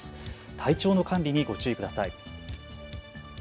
体調の管理にご注意ください。